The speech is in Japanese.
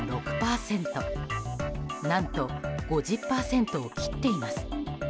何と、５０％を切っています。